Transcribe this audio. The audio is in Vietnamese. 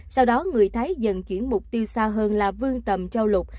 sau đó người thái dần chuyển mục tiêu xa hơn là vương tầm châu lục